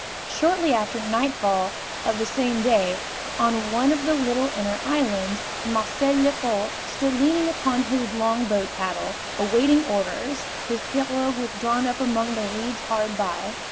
Shortly after nightfall of the same day, on one of the little inner islands, Marcel Lefort stood leaning upon his long boat paddle, awaiting orders; his pirogue was drawn up among the reeds hard by.